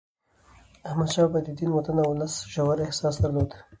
احمدشاه بابا د دین، وطن او ولس ژور احساس درلود.